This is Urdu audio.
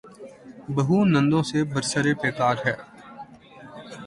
بہو نندوں سے برسر پیکار ہے۔